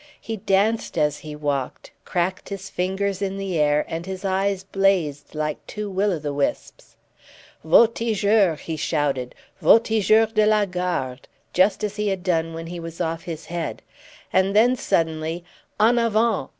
He danced as he walked, cracked his fingers in the air, and his eyes blazed like two will o' the wisps. "Voltigeurs!" he shouted; "Voltigeurs de la Garde!" just as he had done when he was off his head; and then suddenly, "_En avant!